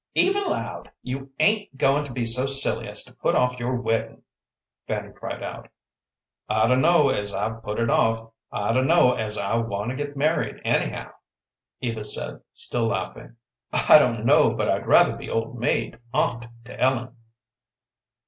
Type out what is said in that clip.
"Eva Loud, you ain't goin' to be so silly as to put off your weddin'," Fanny cried out. "I dunno as I've put it off; I dunno as I want to get married, anyhow," Eva said, still laughing. "I dunno, but I'd rather be old maid aunt to Ellen."